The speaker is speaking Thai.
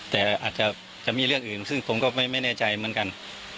แต่อาจจะมีเรื่องอื่นซึ่งผมก็ไม่แน่ใจเหมือนกัน